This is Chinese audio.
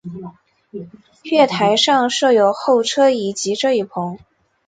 月台上设有候车椅及遮雨棚。